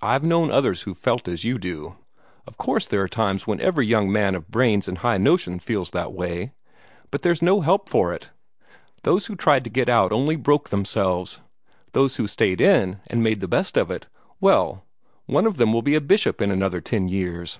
I've known others who felt as you do of course there are times when every young man of brains and high notions feels that way but there's no help for it. Those who tried to get out only broke themselves. Those who stayed in, and made the best of it well, one of them will be a bishop in another ten years."